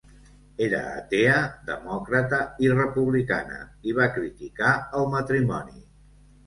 Era atea, demòcrata i republicana, i va criticar el matrimoni.